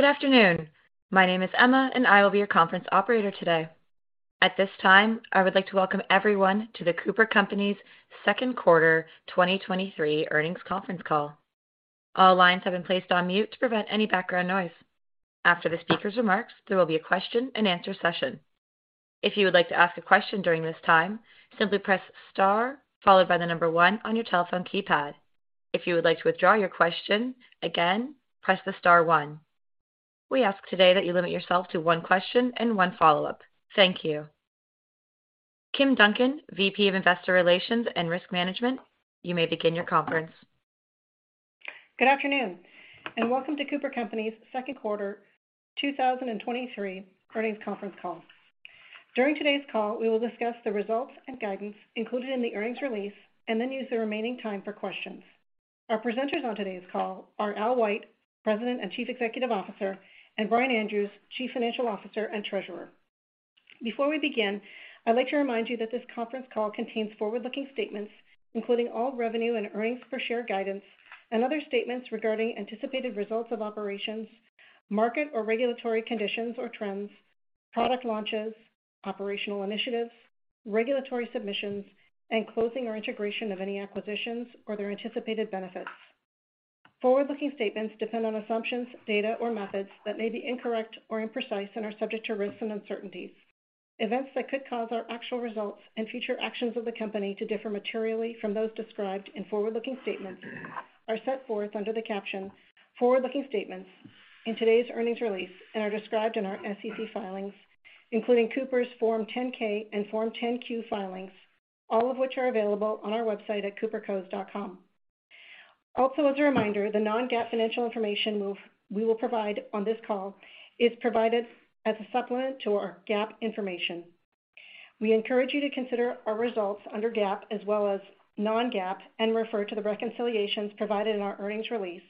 Good afternoon. My name is Emma, and I will be your conference operator today. At this time, I would like to welcome everyone to the CooperCompanies second quarter 2023 earnings conference call. All lines have been placed on mute to prevent any background noise. After the speaker's remarks, there will be a question-and-answer session. If you would like to ask a question during this time, simply press star followed by one on your telephone keypad. If you would like to withdraw your question, again, press the star one. We ask today that you limit yourself to one question and one follow-up. Thank you. Kim Duncan, VP of Investor Relations and Risk Management, you may begin your conference. Good afternoon. Welcome to CooperCompanies second quarter 2023 earnings conference call. During today's call, we will discuss the results and guidance included in the earnings release and then use the remaining time for questions. Our presenters on today's call are Al White, President and Chief Executive Officer, and Brian Andrews, Chief Financial Officer and Treasurer. Before we begin, I'd like to remind you that this conference call contains forward-looking statements, including all revenue and earnings per share guidance and other statements regarding anticipated results of operations, market or regulatory conditions or trends, product launches, operational initiatives, regulatory submissions, and closing or integration of any acquisitions or their anticipated benefits. Forward-looking statements depend on assumptions, data, or methods that may be incorrect or imprecise and are subject to risks and uncertainties. Events that could cause our actual results and future actions of the company to differ materially from those described in forward-looking statements are set forth under the caption Forward-Looking Statements in today's earnings release and are described in our SEC filings, including Cooper's Form 10-K and Form 10-Q filings, all of which are available on our website at coopercos.com. As a reminder, the non-GAAP financial information we will provide on this call is provided as a supplement to our GAAP information. We encourage you to consider our results under GAAP as well as non-GAAP, and refer to the reconciliations provided in our earnings release,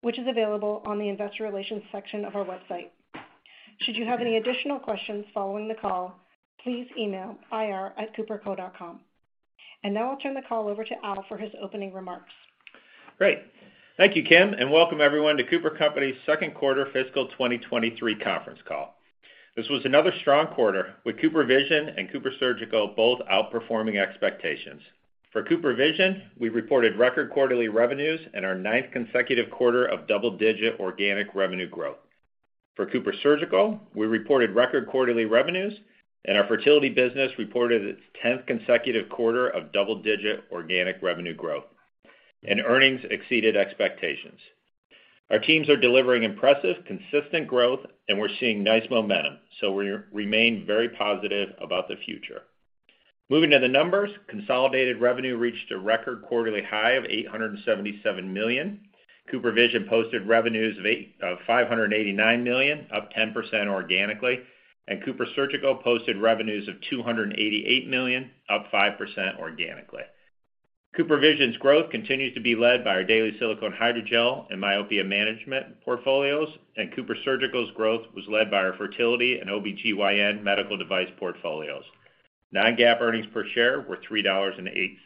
which is available on the Investor Relations section of our website. Should you have any additional questions following the call, please email ir@cooperco.com. Now I'll turn the call over to Al for his opening remarks. Great. Thank you, Kim, welcome everyone to CooperCompanies second quarter fiscal 2023 conference call. This was another strong quarter, with CooperVision and CooperSurgical both outperforming expectations. For CooperVision, we reported record quarterly revenues and our ninth consecutive quarter of double-digit organic revenue growth. For CooperSurgical, we reported record quarterly revenues, our fertility business reported its 10th consecutive quarter of double-digit organic revenue growth, and earnings exceeded expectations. Our teams are delivering impressive, consistent growth, we're seeing nice momentum, we remain very positive about the future. Moving to the numbers, consolidated revenue reached a record quarterly high of $877 million. CooperVision posted revenues of $589 million, up 10% organically, CooperSurgical posted revenues of $288 million, up 5% organically. CooperVision's growth continues to be led by our daily silicone hydrogel and myopia management portfolios, and CooperSurgical's growth was led by our fertility and OBGYN medical device portfolios. Non-GAAP earnings per share were $3.08.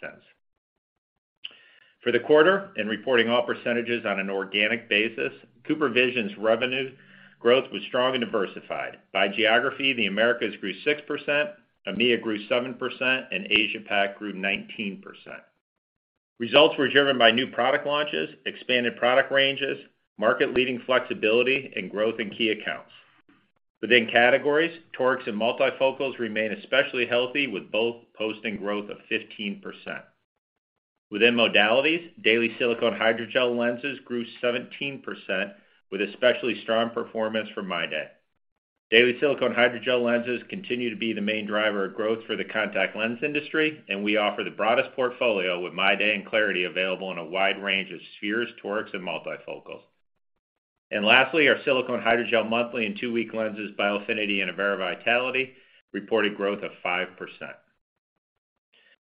For the quarter, and reporting all percentages on an organic basis, CooperVision's revenue growth was strong and diversified. By geography, the Americas grew 6%, EMEA grew 7%, and Asia-Pac grew 19%. Results were driven by new product launches, expanded product ranges, market-leading flexibility, and growth in key accounts. Within categories, torics and multifocals remain especially healthy, with both posting growth of 15%. Within modalities, daily silicone hydrogel lenses grew 17%, with especially strong performance from MyDay. Daily silicone hydrogel lenses continue to be the main driver of growth for the contact lens industry, and we offer the broadest portfolio with MyDay and clariti available in a wide range of spheres, torics, and multifocals. Lastly, our silicone hydrogel monthly and two-week lenses, Biofinity and Avaira Vitality, reported growth of 5%.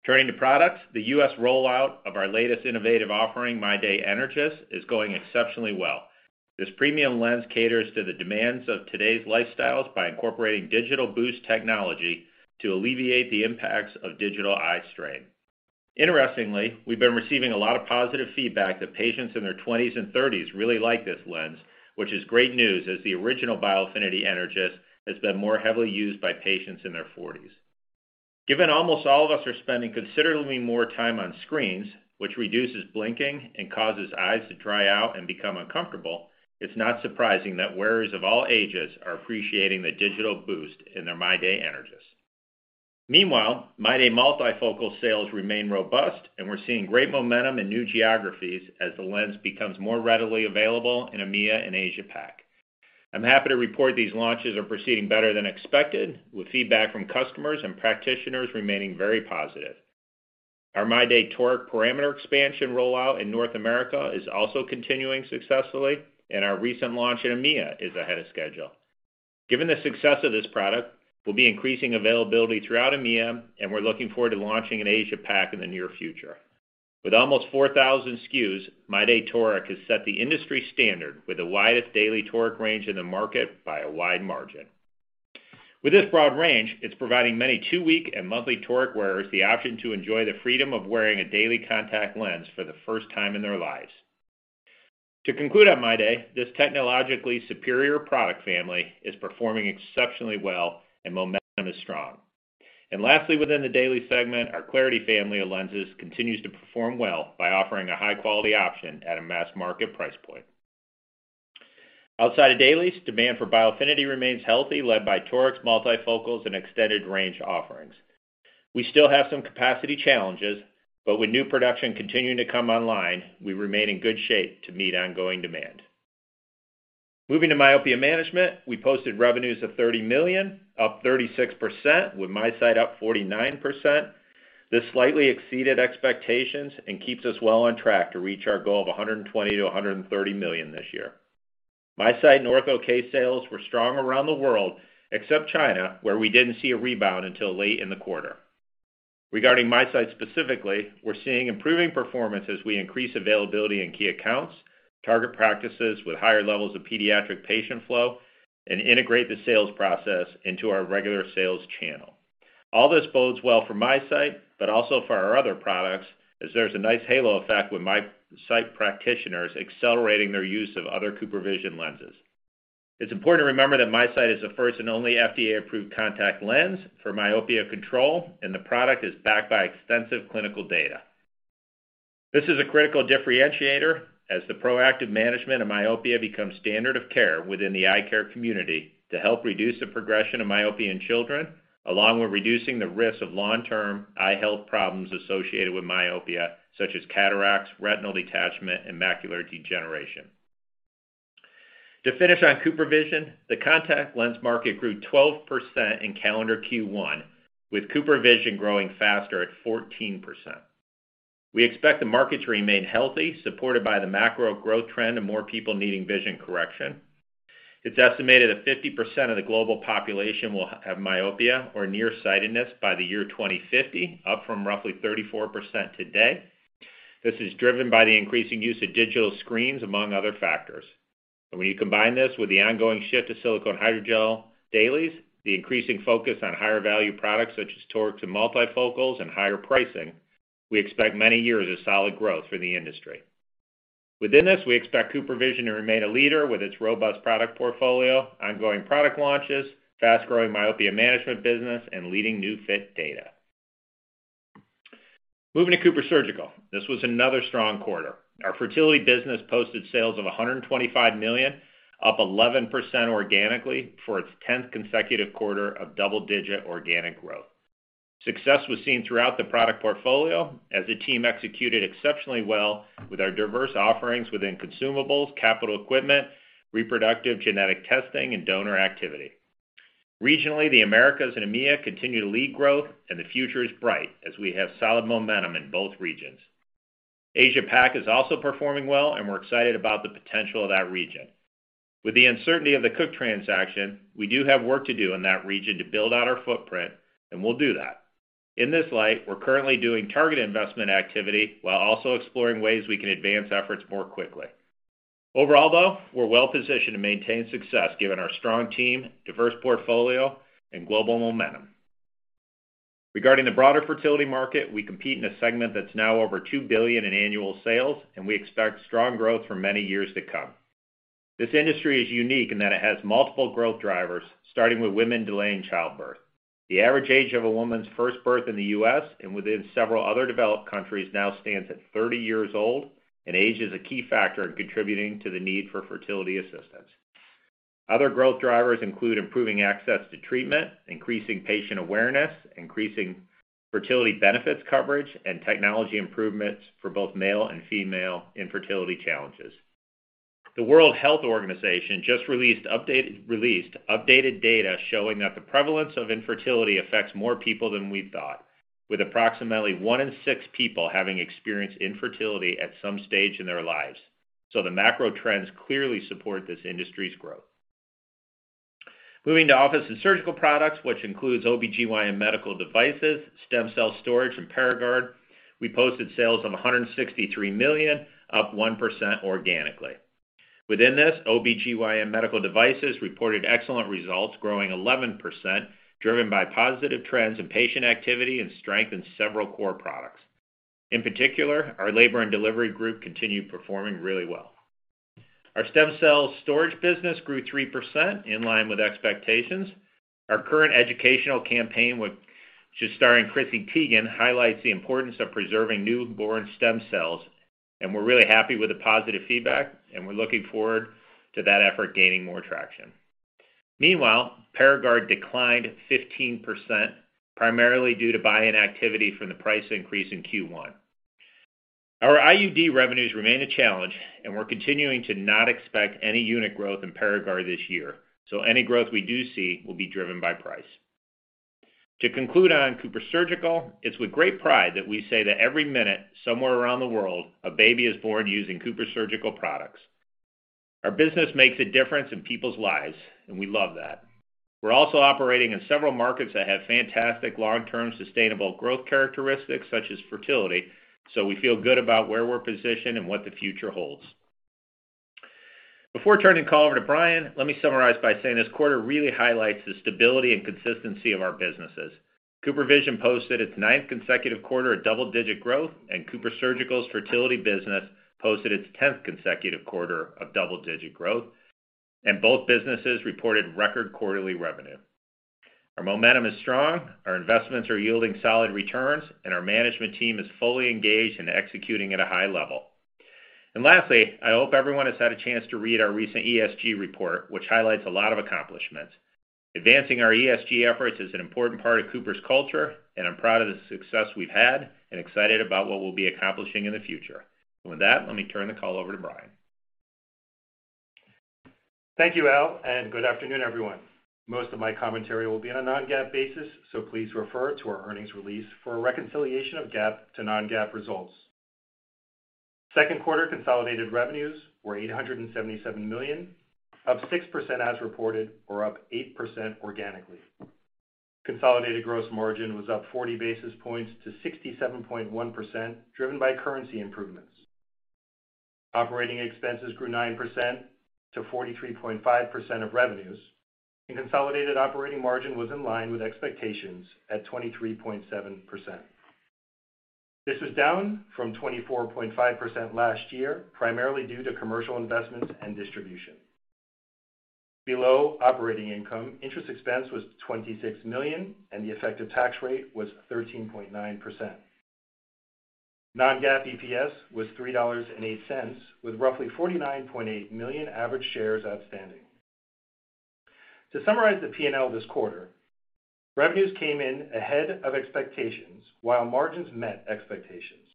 Turning to products, the U.S. rollout of our latest innovative offering, MyDay Energys, is going exceptionally well. This premium lens caters to the demands of today's lifestyles by incorporating DigitalBoost technology to alleviate the impacts of digital eye strain. Interestingly, we've been receiving a lot of positive feedback that patients in their 20s and 30s really like this lens, which is great news, as the original Biofinity Energys has been more heavily used by patients in their 40s. Given almost all of us are spending considerably more time on screens, which reduces blinking and causes eyes to dry out and become uncomfortable, it's not surprising that wearers of all ages are appreciating the DigitalBoost in their MyDay Energys. Meanwhile, MyDay multifocal sales remain robust, and we're seeing great momentum in new geographies as the lens becomes more readily available in EMEA and Asia-Pac. I'm happy to report these launches are proceeding better than expected, with feedback from customers and practitioners remaining very positive. Our MyDay toric parameter expansion rollout in North America is also continuing successfully, and our recent launch in EMEA is ahead of schedule. Given the success of this product, we'll be increasing availability throughout EMEA, and we're looking forward to launching in Asia-Pac in the near future. With almost 4,000 SKUs, MyDay toric has set the industry standard with the widest daily toric range in the market by a wide margin. With this broad range, it's providing many two-week and monthly toric wearers the option to enjoy the freedom of wearing a daily contact lens for the first time in their lives. To conclude on MyDay, this technologically superior product family is performing exceptionally well and momentum is strong. Lastly, within the daily segment, our clariti family of lenses continues to perform well by offering a high-quality option at a mass market price point. Outside of dailies, demand for Biofinity remains healthy, led by torics, multifocals, and extended range offerings. We still have some capacity challenges, but with new production continuing to come online, we remain in good shape to meet ongoing demand. Moving to myopia management, we posted revenues of $30 million, up 36%, with MiSight up 49%. This slightly exceeded expectations and keeps us well on track to reach our goal of $120 million-$130 million this year. MiSight and Ortho-K sales were strong around the world, except China, where we didn't see a rebound until late in the quarter. Regarding MiSight specifically, we're seeing improving performance as we increase availability in key accounts, target practices with higher levels of pediatric patient flow, and integrate the sales process into our regular sales channel. All this bodes well for MiSight, but also for our other products, as there's a nice halo effect with MiSight practitioners accelerating their use of other CooperVision lenses. It's important to remember that MiSight is the first and only FDA-approved contact lens for myopia control, and the product is backed by extensive clinical data. This is a critical differentiator as the proactive management of myopia becomes standard of care within the eye care community to help reduce the progression of myopia in children, along with reducing the risk of long-term eye health problems associated with myopia, such as cataracts, retinal detachment, and macular degeneration. To finish on CooperVision, the contact lens market grew 12% in calendar Q1, with CooperVision growing faster at 14%. We expect the market to remain healthy, supported by the macro growth trend of more people needing vision correction. It's estimated that 50% of the global population will have myopia or nearsightedness by the year 2050, up from roughly 34% today. This is driven by the increasing use of digital screens, among other factors. When you combine this with the ongoing shift to silicone hydrogel dailies, the increasing focus on higher value products such as torics and multifocals and higher pricing, we expect many years of solid growth for the industry. Within this, we expect CooperVision to remain a leader with its robust product portfolio, ongoing product launches, fast-growing myopia management business, and leading new fit data. Moving to CooperSurgical, this was another strong quarter. Our fertility business posted sales of $125 million, up 11% organically for its 10th consecutive quarter of double-digit organic growth. Success was seen throughout the product portfolio, as the team executed exceptionally well with our diverse offerings within consumables, capital equipment, reproductive genetic testing, and donor activity. Regionally, the Americas and EMEA continue to lead growth, and the future is bright as we have solid momentum in both regions. Asia-Pac is also performing well, and we're excited about the potential of that region. With the uncertainty of the Cook transaction, we do have work to do in that region to build out our footprint, and we'll do that. In this light, we're currently doing targeted investment activity while also exploring ways we can advance efforts more quickly. Overall, though, we're well positioned to maintain success given our strong team, diverse portfolio, and global momentum. Regarding the broader fertility market, we compete in a segment that's now over $2 billion in annual sales, and we expect strong growth for many years to come. This industry is unique in that it has multiple growth drivers, starting with women delaying childbirth. The average age of a woman's first birth in the U.S. and within several other developed countries now stands at 30 years old, and age is a key factor in contributing to the need for fertility assistance. Other growth drivers include improving access to treatment, increasing patient awareness, increasing fertility benefits coverage, and technology improvements for both male and female infertility challenges. The World Health Organization just released updated data showing that the prevalence of infertility affects more people than we thought, with approximately one in six people having experienced infertility at some stage in their lives. The macro trends clearly support this industry's growth. Moving to office and surgical products, which includes OBGYN medical devices, stem cell storage, and Paragard, we posted sales of $163 million, up 1% organically. Within this, OBGYN medical devices reported excellent results, growing 11%, driven by positive trends in patient activity and strength in several core products. In particular, our labor and delivery group continued performing really well. Our stem cell storage business grew 3%, in line with expectations. Our current educational campaign, which is starring Chrissy Teigen, highlights the importance of preserving newborn stem cells, and we're really happy with the positive feedback, and we're looking forward to that effort gaining more traction. Paragard declined 15%, primarily due to buy-in activity from the price increase in Q1. Our IUD revenues remain a challenge, and we're continuing to not expect any unit growth in Paragard this year, so any growth we do see will be driven by price. To conclude on CooperSurgical, it's with great pride that we say that every minute, somewhere around the world, a baby is born using CooperSurgical products. Our business makes a difference in people's lives, and we love that. We're also operating in several markets that have fantastic long-term sustainable growth characteristics, such as fertility, so we feel good about where we're positioned and what the future holds. Before turning the call over to Brian, let me summarize by saying this quarter really highlights the stability and consistency of our businesses. CooperVision posted its ninth consecutive quarter of double-digit growth, and CooperSurgical's fertility business posted its tenth consecutive quarter of double-digit growth, and both businesses reported record quarterly revenue. Our momentum is strong, our investments are yielding solid returns, and our management team is fully engaged and executing at a high level. Lastly, I hope everyone has had a chance to read our recent ESG report, which highlights a lot of accomplishments. Advancing our ESG efforts is an important part of Cooper's culture, and I'm proud of the success we've had and excited about what we'll be accomplishing in the future. With that, let me turn the call over to Brian. Thank you, Al, good afternoon, everyone. Most of my commentary will be on a non-GAAP basis, so please refer to our earnings release for a reconciliation of GAAP to non-GAAP results. Second quarter consolidated revenues were $877 million, up 6% as reported, or up 8% organically. Consolidated gross margin was up 40 basis points to 67.1%, driven by currency improvements. Operating expenses grew 9%- 43.5% of revenues, and consolidated operating margin was in line with expectations at 23.7%. This was down from 24.5% last year, primarily due to commercial investments and distribution. Below operating income, interest expense was $26 million, and the effective tax rate was 13.9%. Non-GAAP EPS was $3.08, with roughly 49.8 million average shares outstanding. To summarize the P&L this quarter, revenues came in ahead of expectations, while margins met expectations.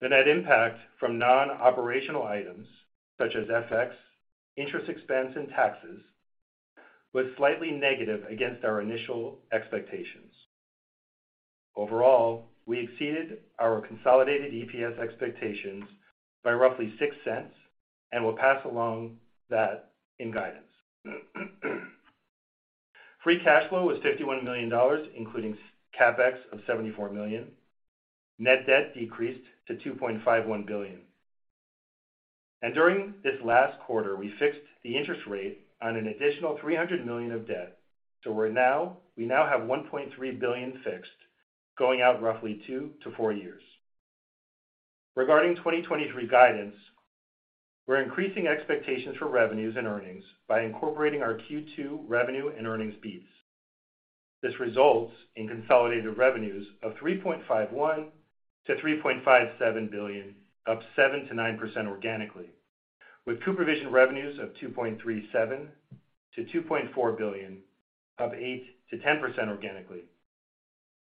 The net impact from non-operational items, such as FX, interest expense, and taxes, was slightly negative against our initial expectations. Overall, we exceeded our consolidated EPS expectations by roughly $0.06 and will pass along that in guidance. Free cash flow was $51 million, including CapEx of $74 million. Net debt decreased to $2.51 billion. During this last quarter, we fixed the interest rate on an additional $300 million of debt. We now have $1.3 billion fixed, going out roughly two to four years. Regarding 2023 guidance, we're increasing expectations for revenues and earnings by incorporating our Q2 revenue and earnings beats. This results in consolidated revenues of $3.51 billion-$3.57 billion, up 7%-9% organically, with CooperVision revenues of $2.37 billion-$2.4 billion, up 8%-10% organically,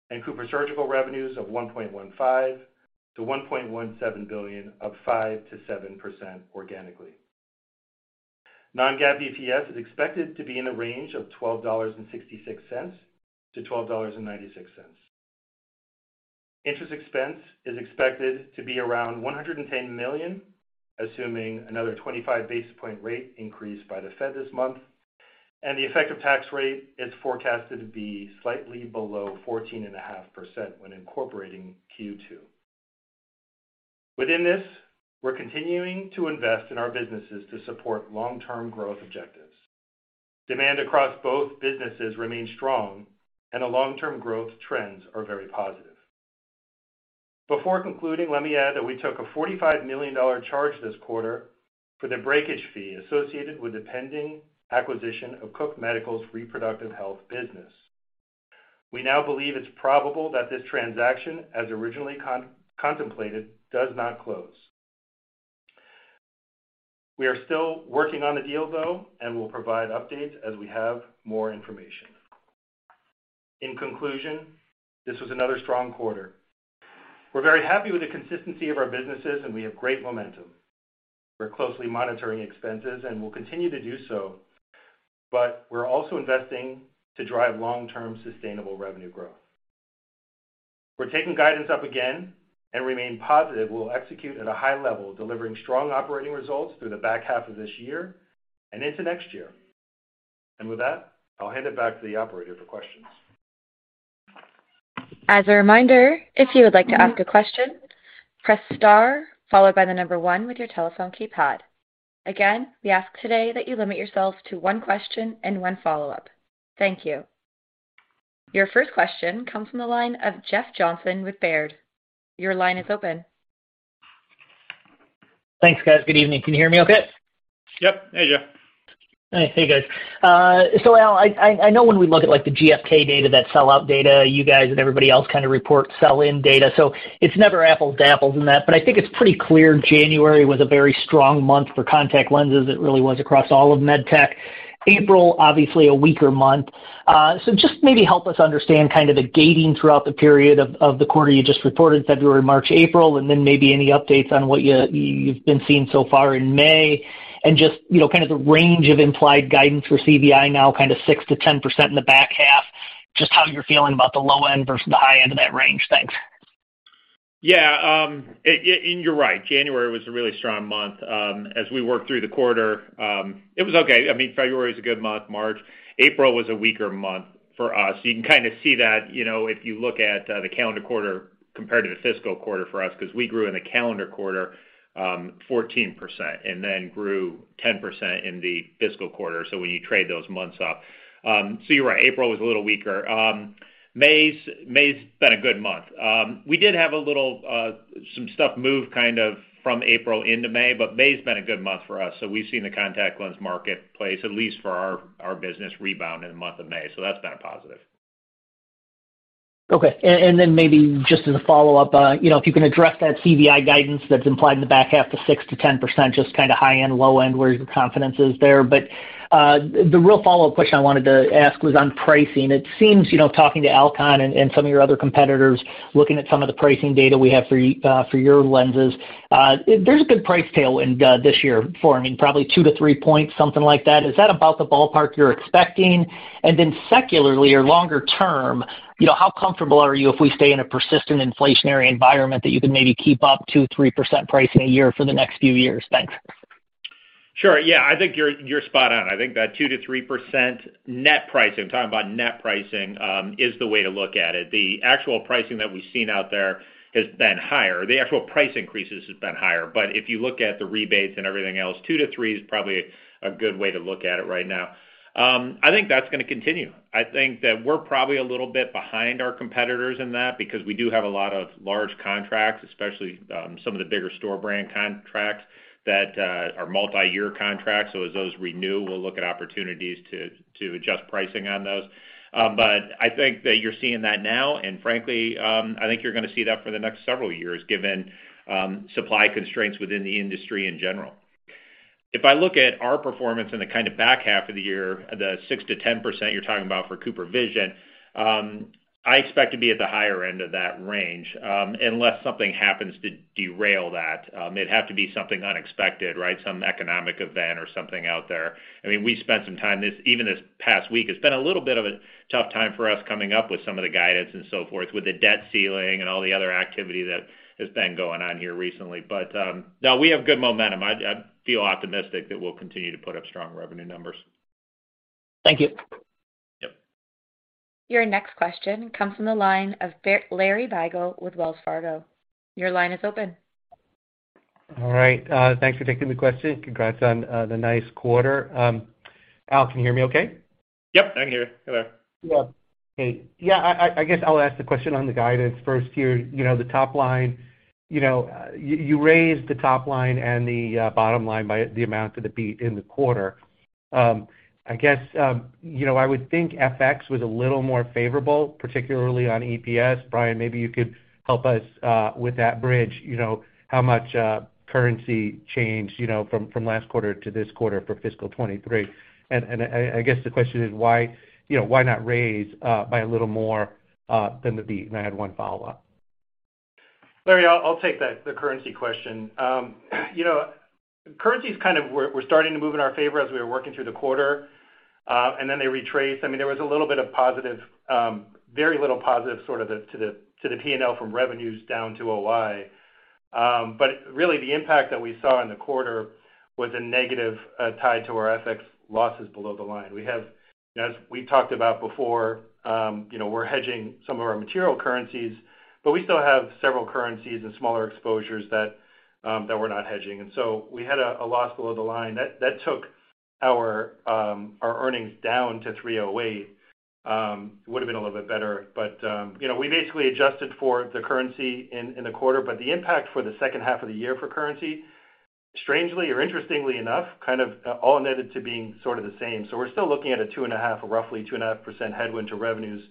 and CooperSurgical revenues of $1.15 billion-$1.17 billion, up 5%-7% organically. Non-GAAP EPS is expected to be in a range of $12.66-$12.96. Interest expense is expected to be around $110 million, assuming another 25 basis point rate increase by the Fed this month, and the effective tax rate is forecasted to be slightly below 14.5% when incorporating Q2. Within this, we're continuing to invest in our businesses to support long-term growth objectives. Demand across both businesses remains strong. The long-term growth trends are very positive. Before concluding, let me add that we took a $45 million charge this quarter for the breakage fee associated with the pending acquisition of Cook Medical's reproductive health business. We now believe it's probable that this transaction, as originally contemplated, does not close. We are still working on the deal, though. We'll provide updates as we have more information. In conclusion, this was another strong quarter. We're very happy with the consistency of our businesses. We have great momentum. We're closely monitoring expenses and will continue to do so. We're also investing to drive long-term sustainable revenue growth. We're taking guidance up again and remain positive we'll execute at a high level, delivering strong operating results through the back half of this year and into next year. With that, I'll hand it back to the operator for questions. As a reminder, if you would like to ask a question, press star followed by the number one with your telephone keypad. Again, we ask today that you limit yourself to one question and one follow-up. Thank you. Your first question comes from the line of Jeff Johnson with Baird. Your line is open. Thanks, guys. Good evening. Can you hear me okay? Yep. Hey, Jeff. Hey, guys. Al, I know when we look at, like, the GfK data, that sellout data, you guys and everybody else kind of report sell-in data, so it's never apples to apples in that. I think it's pretty clear January was a very strong month for contact lenses. It really was across all of med tech. April, obviously a weaker month. Just maybe help us understand kind of the gating throughout the period of the quarter you just reported, February, March, April, and then maybe any updates on what you've been seeing so far in May. Just, you know, kind of the range of implied guidance for CVI, now kind of 6%-10% in the back half, just how you're feeling about the low end versus the high end of that range. Thanks. Yeah, and you're right, January was a really strong month. As we worked through the quarter, it was okay. I mean, February was a good month, March. April was a weaker month for us. You can kind of see that, you know, if you look at the calendar quarter compared to the fiscal quarter for us, because we grew in the calendar quarter, 14%, and then grew 10% in the fiscal quarter, so when you trade those months up. You're right, April was a little weaker. May's been a good month. We did have a little, some stuff move kind of from April into May. May's been a good month for us. We've seen the contact lens marketplace, at least for our business, rebound in the month of May. That's been a positive. Okay. Then maybe just as a follow-up, you know, if you can address that CVI guidance that's implied in the back half to 6%-10%, just kind of high end, low end, where your confidence is there. The real follow-up question I wanted to ask was on pricing. It seems, you know, talking to Alcon and some of your other competitors, looking at some of the pricing data we have for your lenses, there's a good price tailwind this year, forming probably 2-3 points, something like that. Is that about the ballpark you're expecting? Secularly or longer term, you know, how comfortable are you if we stay in a persistent inflationary environment, that you can maybe keep up 2%, 3% pricing a year for the next few years? Thanks. Sure. I think you're spot on. I think that 2%-3% net pricing, I'm talking about net pricing, is the way to look at it. The actual pricing that we've seen out there has been higher. The actual price increases has been higher, but if you look at the rebates and everything else, 2%-3% is probably a good way to look at it right now. I think that's gonna continue. I think that we're probably a little bit behind our competitors in that, because we do have a lot of large contracts, especially, some of the bigger store brand contracts that, are multi-year contracts. As those renew, we'll look at opportunities to adjust pricing on those. I think that you're seeing that now, and frankly, I think you're going to see that for the next several years, given supply constraints within the industry in general. If I look at our performance in the kind of back half of the year, the 6%-10% you're talking about for CooperVision, I expect to be at the higher end of that range, unless something happens to derail that. It'd have to be something unexpected, right? Some economic event or something out there. I mean, we spent some time this past week, it's been a little bit of a tough time for us, coming up with some of the guidance and so forth, with the debt ceiling and all the other activity that has been going on here recently. No, we have good momentum. I feel optimistic that we'll continue to put up strong revenue numbers. Thank you. Yep. Your next question comes from the line of Larry Biegelsen with Wells Fargo. Your line is open. All right, thanks for taking the question. Congrats on the nice quarter. Al, can you hear me okay? Yep, I can hear you. Hello. Yeah. Hey, yeah, I guess I'll ask the question on the guidance first here. You know, the top line, you know, you raised the top line and the bottom line by the amount of the beat in the quarter. I guess, you know, I would think FX was a little more favorable, particularly on EPS. Brian, maybe you could help us with that bridge, you know, how much currency changed, you know, from last quarter to this quarter for fiscal 2023? I guess the question is, why, you know, why not raise by a little more than the beat? I had one follow-up. Larry, I'll take that, the currency question. You know, currency is starting to move in our favor as we were working through the quarter, and then they retrace. I mean, there was a little bit of positive, very little positive, to the P&L from revenues down to OI. Really, the impact that we saw in the quarter was a negative, tied to our FX losses below the line. We have, as we talked about before, you know, we're hedging some of our material currencies, but we still have several currencies and smaller exposures that we're not hedging. So we had a loss below the line. That took our earnings down to $3.08. It would've been a little bit better, but, you know, we basically adjusted for the currency in the quarter. The impact for the second half of the year for currency, strangely or interestingly enough, kind of all netted to being sort of the same. We're still looking at a 2.5%, roughly 2.5% headwind to revenues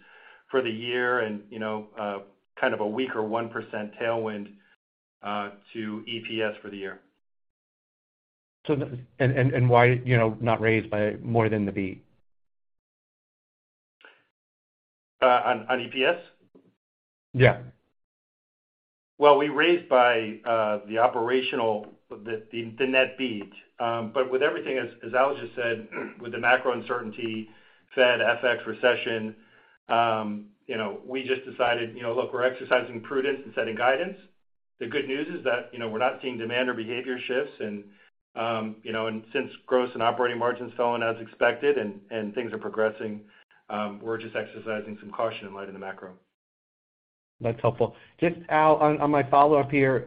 for the year and, you know, kind of a weaker 1% tailwind to EPS for the year. Why, you know, not raised by more than the beat? On EPS? Yeah. Well, we raised by, the operational, the net beat. With everything, as Al just said, with the macro uncertainty, Fed FX recession, you know, we just decided, you know, look, we're exercising prudence and setting guidance. The good news is that, you know, we're not seeing demand or behavior shifts, and, you know, and since gross and operating margins fell in as expected and things are progressing, we're just exercising some caution in light of the macro. That's helpful. Just Al, on my follow-up here,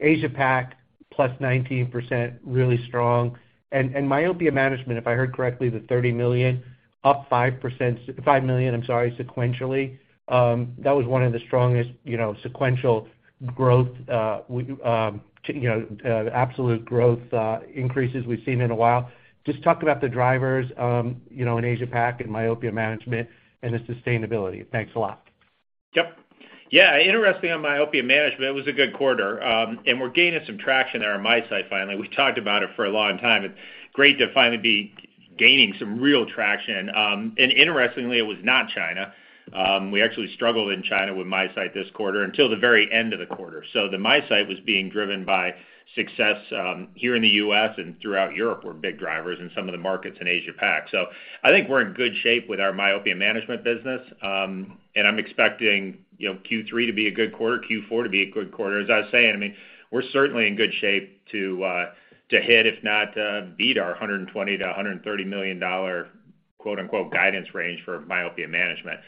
Asia-Pac, plus 19%, really strong. myopia management, if I heard correctly, the $30 million, up 5%-- $5 million, I'm sorry, sequentially. That was one of the strongest, you know, sequential growth, we, you know, absolute growth, increases we've seen in a while. Just talk about the drivers, you know, in Asia-Pac and myopia management and the sustainability. Thanks a lot. Yep. Yeah, interesting, on myopia management, it was a good quarter. We're gaining some traction there on my side, finally. We've talked about it for a long time. It's great to finally gaining some real traction. Interestingly, it was not China. We actually struggled in China with MiSight this quarter until the very end of the quarter. The MiSight was being driven by success, here in the U.S. and throughout Europe, were big drivers in some of the markets in Asia-Pac. I think we're in good shape with our myopia management business. I'm expecting, you know, Q3 to be a good quarter, Q4 to be a good quarter. As I was saying, we're certainly in good shape to hit, if not beat our $120 million-$130 million, quote, unquote, "guidance range" for myopia management.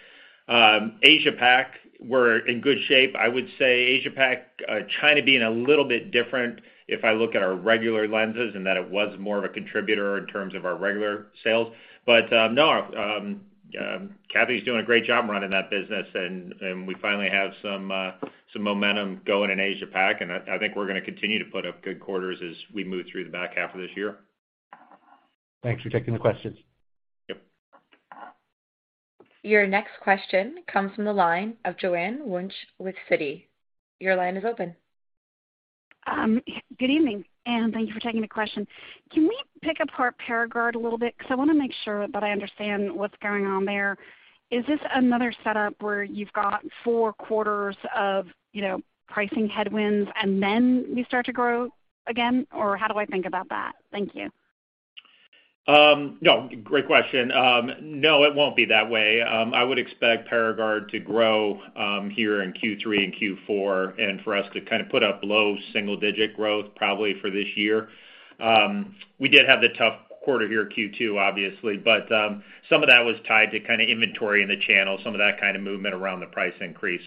Asia-Pac, we're in good shape. I would say Asia-Pac, China being a little bit different if I look at our regular lenses, that it was more of a contributor in terms of our regular sales. No, Kathy's doing a great job running that business, and we finally have some momentum going in Asia-Pac, and I think we're gonna continue to put up good quarters as we move through the back half of this year. Thanks for taking the questions. Yep. Your next question comes from the line of Joanne Wuensch with Citi. Your line is open. Good evening. Thank you for taking the question. Can we pick apart Paragard a little bit? I wanna make sure that I understand what's going on there. Is this another setup where you've got four quarters of, you know, pricing headwinds, and then you start to grow again? How do I think about that? Thank you. No, great question. No, it won't be that way. I would expect Paragard to grow here in Q3 and Q4, and for us to kind of put up low single-digit growth, probably for this year. We did have the tough quarter here, Q2, obviously, but some of that was tied to kind of inventory in the channel, some of that kind of movement around the price increase.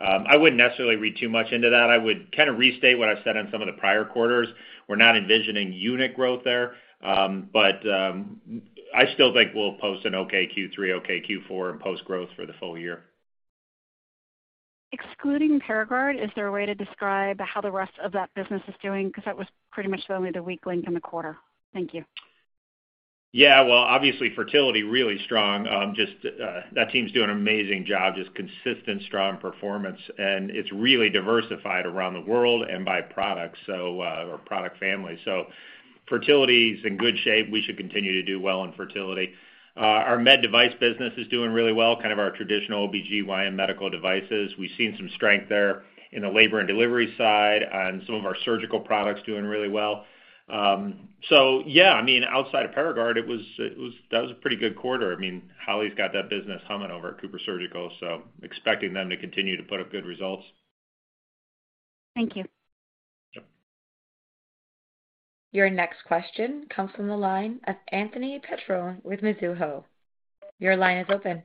I wouldn't necessarily read too much into that. I would kind of restate what I've said in some of the prior quarters. We're not envisioning unit growth there, but I still think we'll post an okay Q3, okay Q4, and post growth for the full year. Excluding Paragard, is there a way to describe how the rest of that business is doing? Because that was pretty much the only weak link in the quarter. Thank you. Well, obviously, fertility, really strong. That team's doing an amazing job, consistent, strong performance, and it's really diversified around the world and by products, or product family. Fertility is in good shape. We should continue to do well in fertility. Our med device business is doing really well, kind of our traditional OBGYN medical devices. We've seen some strength there in the labor and delivery side, and some of our surgical products doing really well. I mean, outside of Paragard, that was a pretty good quarter. I mean, Holly's got that business humming over at CooperSurgical, so expecting them to continue to put up good results. Thank you. Yep. Your next question comes from the line of Anthony Petrone with Mizuho. Your line is open.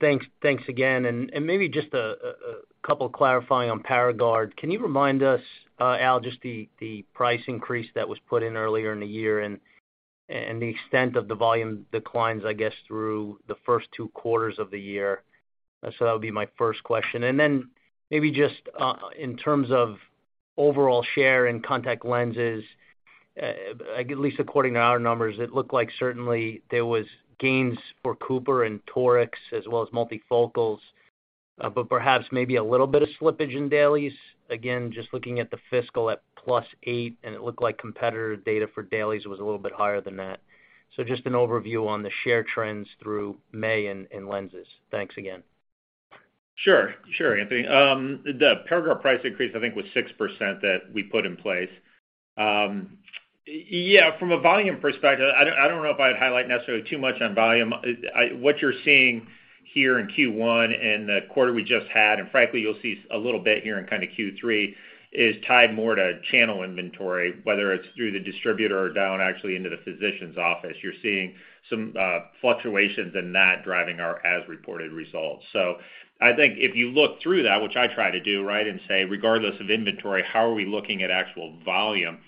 Thanks. Thanks again, and maybe just a couple clarifying on Paragard. Can you remind us, Al, just the price increase that was put in earlier in the year and the extent of the volume declines, I guess, through the first two quarters of the year? That would be my first question. Then maybe just in terms of overall share in contact lenses, at least according to our numbers, it looked like certainly there was gains for Cooper and torics, as well as multifocals, but perhaps maybe a little bit of slippage in dailies. Just looking at the fiscal at +8%, and it looked like competitor data for dailies was a little bit higher than that. Just an overview on the share trends through May in lenses. Thanks again. Sure. Sure, Anthony. The Paragard price increase, I think, was 6% that we put in place. Yeah, from a volume perspective, I don't know if I'd highlight necessarily too much on volume. What you're seeing here in Q1 and the quarter we just had, frankly, you'll see a little bit here in kind of Q3, is tied more to channel inventory, whether it's through the distributor or down actually into the physician's office. You're seeing some fluctuations in that driving our as-reported results. I think if you look through that, which I try to do, right, say, regardless of inventory, how are we looking at actual volume?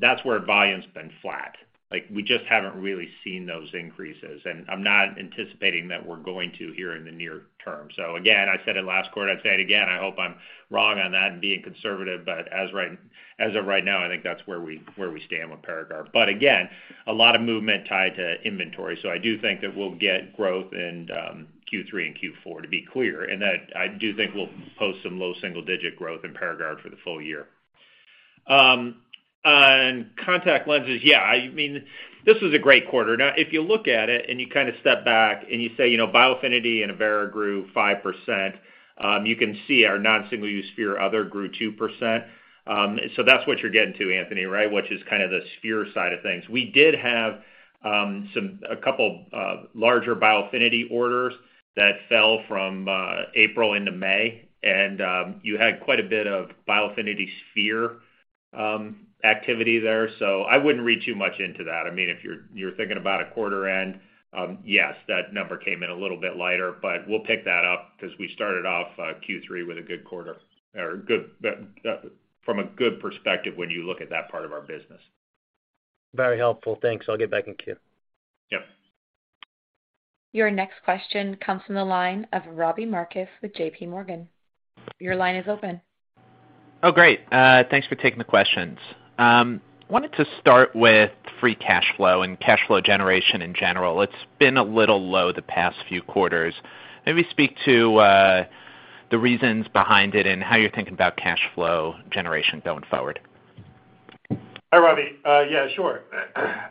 That's where volume's been flat. Like, we just haven't really seen those increases, I'm not anticipating that we're going to here in the near term. Again, I said it last quarter, I'd say it again, I hope I'm wrong on that and being conservative, as of right now, I think that's where we, where we stand with Paragard. Again, a lot of movement tied to inventory, I do think that we'll get growth in Q3 and Q4, to be clear, and that I do think we'll post some low single-digit growth in Paragard for the full year. On contact lenses, yeah, I mean, this was a great quarter. If you look at it and you kind of step back and you say, you know, Biofinity and Avaira grew 5%, you can see our non-single-use sphere, other grew 2%. That's what you're getting to, Anthony, right? Which is kind of the sphere side of things. We did have a couple larger Biofinity orders that fell from April into May. You had quite a bit of Biofinity sphere activity there. I wouldn't read too much into that. I mean, if you're thinking about a quarter end, yes, that number came in a little bit lighter. We'll pick that up because we started off Q3 with a good quarter or good from a good perspective when you look at that part of our business. Very helpful. Thanks. I'll get back in queue. Yep. Your next question comes from the line of Robbie Marcus with JPMorgan. Your line is open. Great. Thanks for taking the questions. Wanted to start with free cash flow and cash flow generation in general. It's been a little low the past few quarters. Maybe speak to.... the reasons behind it and how you're thinking about cash flow generation going forward? Hi, Robbie. Yeah, sure.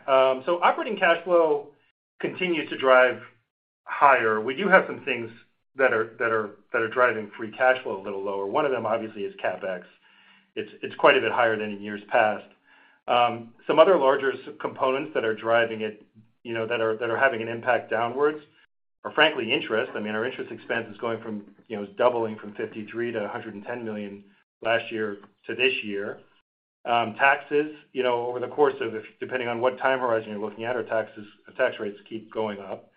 Operating cash flow continued to drive higher. We do have some things that are driving free cash flow a little lower. One of them, obviously, is CapEx. It's quite a bit higher than in years past. Some other larger components that are driving it, you know, that are having an impact downwards are, frankly, interest. I mean, our interest expense is going from, you know, doubling from $53 million-$110 million last year to this year. Taxes, you know, over the course of it, depending on what time horizon you're looking at, our tax rates keep going up.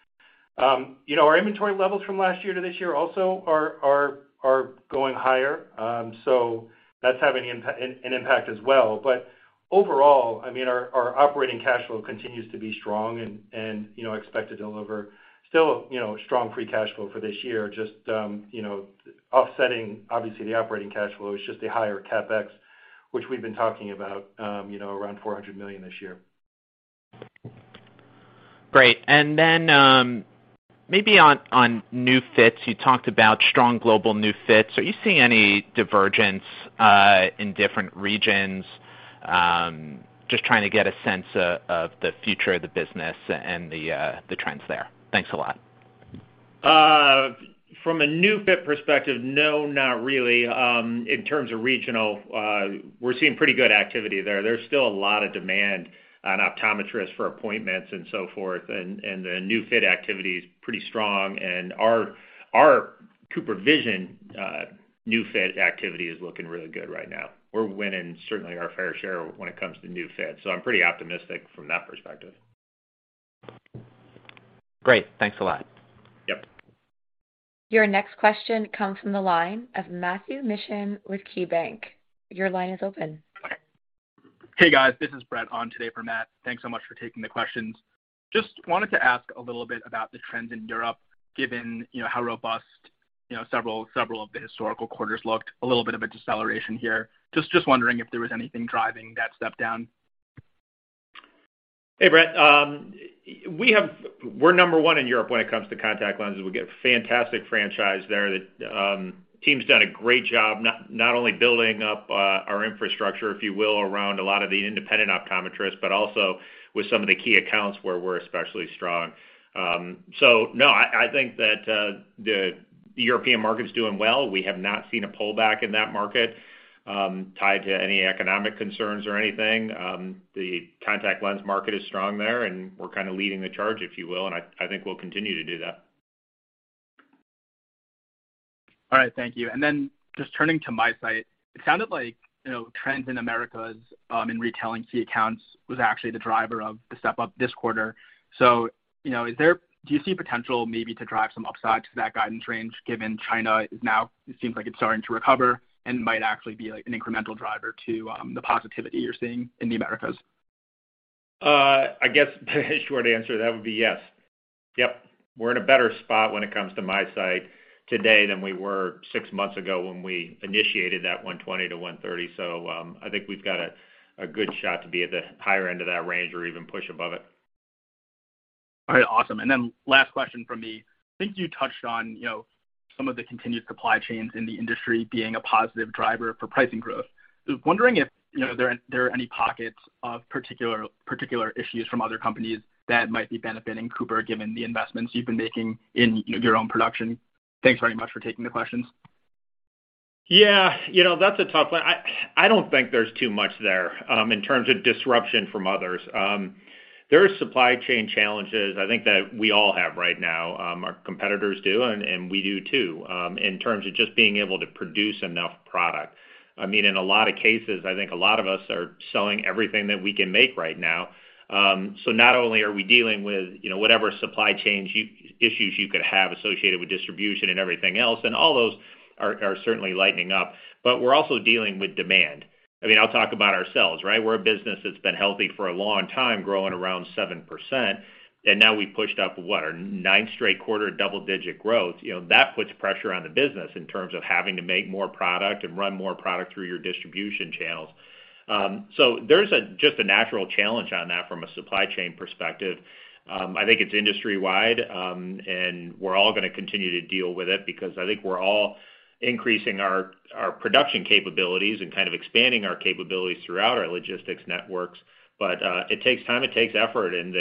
You know, our inventory levels from last year to this year also are going higher, that's having an impact as well. Overall, I mean, our operating cash flow continues to be strong and, you know, expect to deliver still, you know, strong free cash flow for this year. Just, you know, offsetting, obviously, the operating cash flow is just the higher CapEx, which we've been talking about, you know, around $400 million this year. Great. Maybe on new fits, you talked about strong global new fits. Are you seeing any divergence in different regions? Just trying to get a sense of the future of the business and the trends there. Thanks a lot. From a new fit perspective, no, not really. In terms of regional, we're seeing pretty good activity there. There's still a lot of demand on optometrists for appointments and so forth, and the new fit activity is pretty strong. Our CooperVision new fit activity is looking really good right now. We're winning, certainly, our fair share when it comes to new fits, so I'm pretty optimistic from that perspective. Great. Thanks a lot. Yep. Your next question comes from the line of Matthew Mishan with KeyBanc. Your line is open. Hey, guys, this is Brett on today for Matt. Thanks so much for taking the questions. Just wanted to ask a little bit about the trends in Europe, given, you know, how robust, you know, several of the historical quarters looked. A little bit of a deceleration here. Just wondering if there was anything driving that step down. Hey, Brett. We're number one in Europe when it comes to contact lenses. We get a fantastic franchise there that team's done a great job, not only building up our infrastructure, if you will, around a lot of the independent optometrists, but also with some of the key accounts where we're especially strong. No, I think that the European market is doing well. We have not seen a pullback in that market, tied to any economic concerns or anything. The contact lens market is strong there, and we're kind of leading the charge, if you will, and I think we'll continue to do that. All right, thank you. Just turning to MiSight, it sounded like, you know, trends in Americas, in retailing key accounts was actually the driver of the step up this quarter. You know, do you see potential maybe to drive some upside to that guidance range, given China is now, it seems like it's starting to recover and might actually be, like, an incremental driver to, the positivity you're seeing in the Americas? I guess the short answer to that would be yes. Yep, we're in a better spot when it comes to MiSight today than we were six months ago when we initiated that 120-130. I think we've got a good shot to be at the higher end of that range or even push above it. All right, awesome. Then last question from me. I think you touched on, you know, some of the continued supply chains in the industry being a positive driver for pricing growth. I was wondering if, you know, there are any pockets of particular issues from other companies that might be benefiting Cooper, given the investments you've been making in, you know, your own production. Thanks very much for taking the questions. Yeah, you know, that's a tough one. I don't think there's too much there in terms of disruption from others. There are supply chain challenges, I think, that we all have right now. Our competitors do, and we do, too, in terms of just being able to produce enough product. I mean, in a lot of cases, I think a lot of us are selling everything that we can make right now. Not only are we dealing with, you know, whatever supply chain issues you could have associated with distribution and everything else, and all those are certainly lightening up, but we're also dealing with demand. I mean, I'll talk about ourselves, right? We're a business that's been healthy for a long time, growing around 7%, now we pushed up, what? Our ninth straight quarter, double-digit growth. You know, that puts pressure on the business in terms of having to make more product and run more product through your distribution channels. There's just a natural challenge on that from a supply chain perspective. I think it's industry-wide, and we're all gonna continue to deal with it because I think we're all increasing our production capabilities and kind of expanding our capabilities throughout our logistics networks. It takes time, it takes effort, and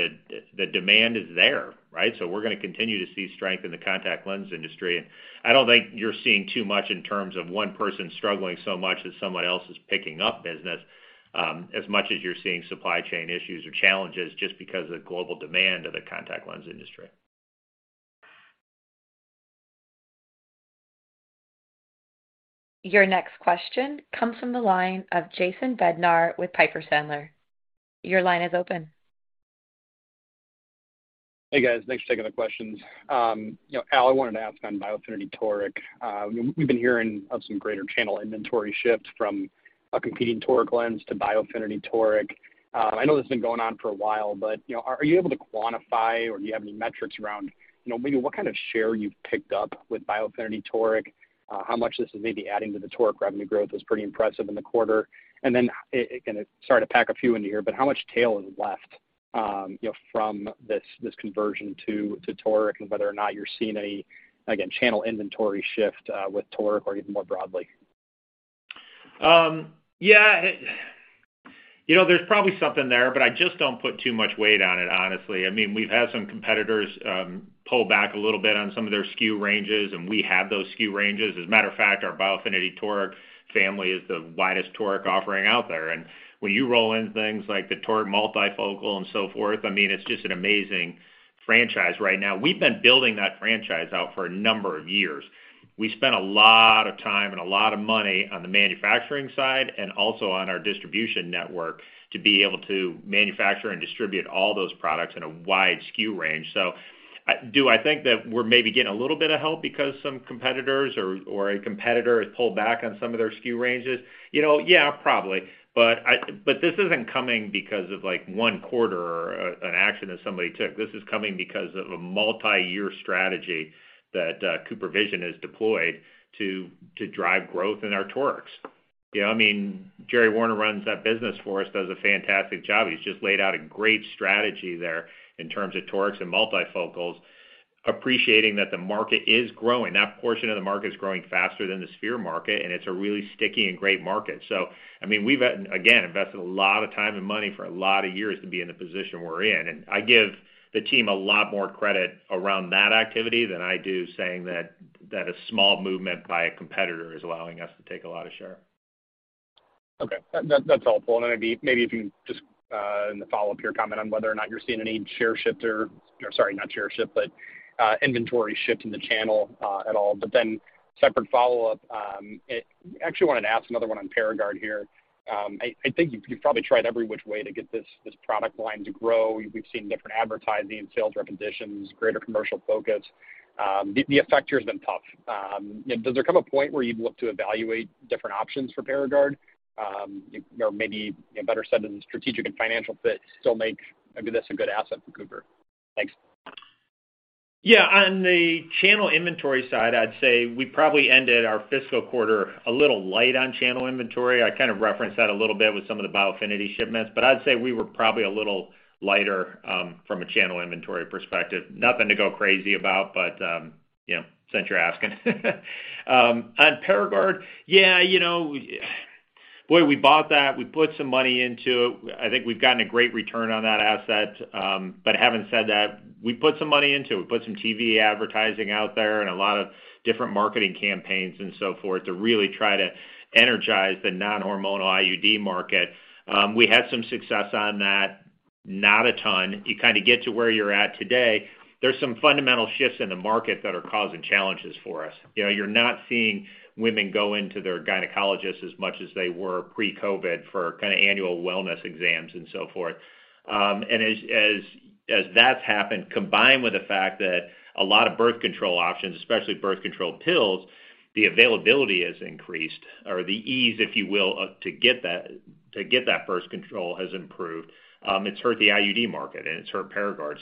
the demand is there, right? We're gonna continue to see strength in the contact lens industry. I don't think you're seeing too much in terms of one person struggling so much that someone else is picking up business, as much as you're seeing supply chain issues or challenges just because of the global demand of the contact lens industry. Your next question comes from the line of Jason Bednar with Piper Sandler. Your line is open. Hey, guys. Thanks for taking the questions. you know, Al, I wanted to ask on Biofinity toric. We've been hearing of some greater channel inventory shifts from a competing toric lens to Biofinity toric. I know this has been going on for a while, but, you know, are you able to quantify, or do you have any metrics around, you know, maybe what kind of share you've picked up with Biofinity toric? How much this is maybe adding to the toric revenue growth is pretty impressive in the quarter. Again, sorry to pack a few into here, but how much tail is left?... you know, from this conversion to toric and whether or not you're seeing any, again, channel inventory shift, with toric or even more broadly? Yeah, you know, there's probably something there, but I just don't put too much weight on it, honestly. I mean, we've had some competitors pull back a little bit on some of their SKU ranges, and we have those SKU ranges. As a matter of fact, our Biofinity toric family is the widest toric offering out there. When you roll in things like the toric multifocal and so forth, I mean, it's just an amazing franchise right now. We've been building that franchise out for a number of years. We spent a lot of time and a lot of money on the manufacturing side and also on our distribution network to be able to manufacture and distribute all those products in a wide SKU range. Do I think that we're maybe getting a little bit of help because some competitors or a competitor has pulled back on some of their SKU ranges? You know, yeah, probably. This isn't coming because of, like, one quarter or an action that somebody took. This is coming because of a multi-year strategy that CooperVision has deployed to drive growth in our torics. You know what I mean? Jerry Warner runs that business for us, does a fantastic job. He's just laid out a great strategy there in terms of torics and multifocals, appreciating that the market is growing. That portion of the market is growing faster than the sphere market, and it's a really sticky and great market. I mean, we've, again, invested a lot of time and money for a lot of years to be in the position we're in. I give the team a lot more credit around that activity than I do saying that a small movement by a competitor is allowing us to take a lot of share. Okay, that's helpful. Maybe if you can just in the follow-up here, comment on whether or not you're seeing any share shift or... Sorry, not share shift, but inventory shift in the channel at all. Separate follow-up, actually wanted to ask another one on Paragard here. I think you've probably tried every which way to get this product line to grow. We've seen different advertising, sales representations, greater commercial focus. The effect here has been tough. Does there come a point where you'd look to evaluate different options for Paragard? Or maybe, better said, than the strategic and financial fit, still make maybe this a good asset for Cooper? Thanks. Yeah, on the channel inventory side, I'd say we probably ended our fiscal quarter a little light on channel inventory. I kind of referenced that a little bit with some of the Biofinity shipments, but I'd say we were probably a little lighter from a channel inventory perspective. Nothing to go crazy about, but, you know, since you're asking. On Paragard, yeah, you know, boy, we bought that, we put some money into it. I think we've gotten a great return on that asset. Having said that, we put some money into it. We put some TV advertising out there and a lot of different marketing campaigns and so forth to really try to energize the non-hormonal IUD market. We had some success on that, not a ton. You kind of get to where you're at today, there's some fundamental shifts in the market that are causing challenges for us. You know, you're not seeing women go into their gynecologist as much as they were pre-COVID for kind of annual wellness exams and so forth. As that's happened, combined with the fact that a lot of birth control options, especially birth control pills, the availability has increased or the ease, if you will, to get that birth control has improved. It's hurt the IUD market, and it's hurt Paragard.